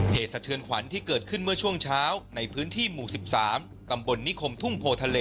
สะเทือนขวัญที่เกิดขึ้นเมื่อช่วงเช้าในพื้นที่หมู่๑๓ตำบลนิคมทุ่งโพทะเล